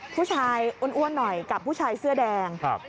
อ้วนหน่อยกับผู้ชายเสื้อแดงครับ